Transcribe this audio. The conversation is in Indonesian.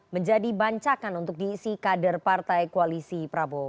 menjadi bancakan untuk diisi kader partai koalisi prabowo